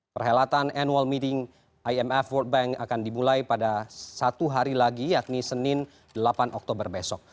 perhelatan annual meeting imf world bank akan dimulai pada satu hari lagi yakni senin delapan oktober besok